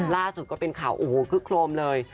ล่าสุดก็เป็นข่าวโอ้โหคึกโครมเลย